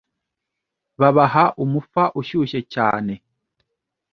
babaha umufa ushyushye cyane